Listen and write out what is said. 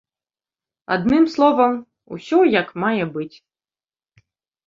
Адным словам, усё як мае быць.